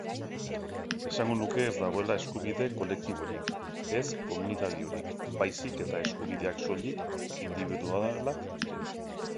Esango nuke ez dagoela eskubide kolektiborik, ez komunitariorik, baizik eta eskubideak soilik indibidualak direla.